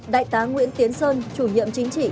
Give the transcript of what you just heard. đại tá nguyễn tiến sơn chủ nhiệm chính trị